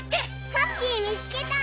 ハッピーみつけた！